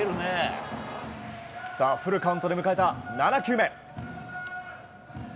フルカウントで迎えた７球目。